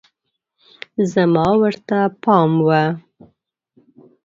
زما ورته پام و